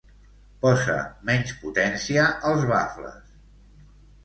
Posa menys potència als bafles.